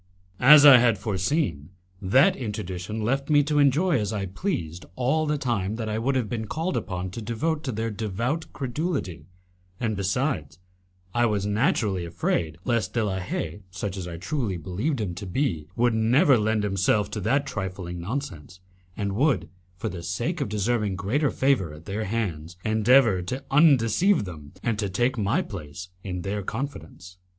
As I had foreseen, that interdiction left me to enjoy as I pleased all the time that I would have been called upon to devote to their devout credulity, and besides, I was naturally afraid lest De la Haye, such as I truly believed him to be, would never lend himself to that trifling nonsense, and would, for the sake of deserving greater favour at their hands, endeavour to undeceive them and to take my place in their confidence.